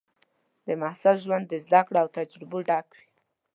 د محصل ژوند د زده کړو او تجربو ډک وي.